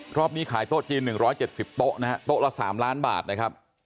ครอบนี้ขายโต๊ะจีนหนึ่งร้อยเจ็ดสิบโต๊ะนะฮะโต๊ะละสามล้านบาทนะครับ